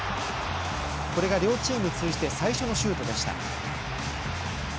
これが両チーム通じて最初のシュートでした。